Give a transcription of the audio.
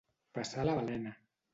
Passar la balena.